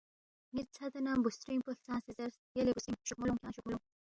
نِ٘ت ژھدے نہ بُوسترِنگ پو ہلژانگسے زیرس، یلے بُوسترِنگ، شوخمو لونگ کھیانگ شوخمو لونگ